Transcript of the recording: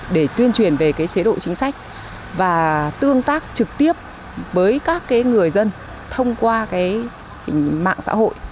để tuyên truyền về cái chế độ chính sách và tương tác trực tiếp với các cái người dân thông qua cái hình mạng xã hội